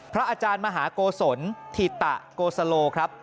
อาจารย์มหาโกศลถิตะโกสโลครับ